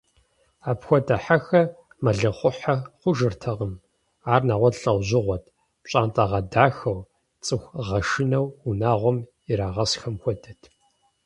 Апхуэдэ хьэхэр мэлыхъуэхьэ хъужыртэкъым, ар нэгъуэщӀ лӀэужьыгъуэт – пщӀантӀэгъэдахэу, цӀыхугъэшынэу унагъуэм ирагъэсхэм хуэдэт.